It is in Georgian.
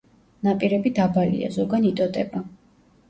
ნაპირები დაბალია, ზოგან იტოტება.